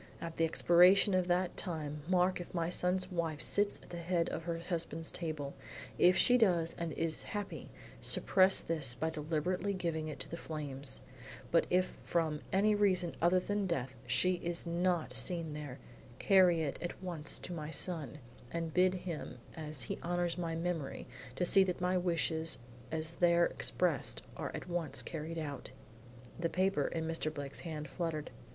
At the expiration of that time mark if my son's wife sits at the head of her husband's table; if she does and is happy, suppress this by deliberately giving it to the flames, but if from any reason other than death, she is not seen there, carry it at once to my son, and bid him as he honors my memory, to see that my wishes as there expressed are at once carried out.'" The paper in Mr. Blake's hand fluttered.